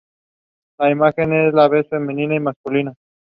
La imagen es a la vez femenina y masculina.